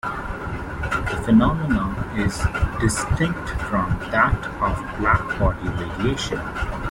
The phenomenon is distinct from that of black body radiation.